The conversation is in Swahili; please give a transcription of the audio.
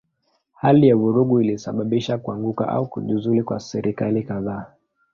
Hali ya vurugu ilisababisha kuanguka au kujiuzulu kwa serikali kadhaa.